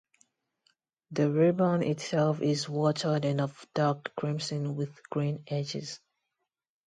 The ribbon itself is watered and of dark crimson with green edges.